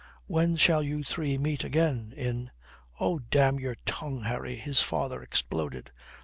When shall you three meet again? In " "Oh, damn your tongue, Harry," his father exploded.